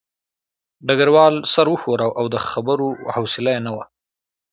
ډګروال سر وښوراوه او د خبرو حوصله یې نه وه